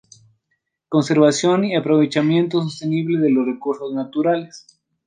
Conservación y aprovechamiento sostenible de los recursos naturales.